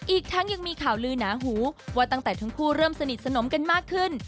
อีกทั้งยังมีข่าวลือหนาหูว่าตั้งแต่ทั้งคู่เริ่มสนิทสนมกันมากขึ้น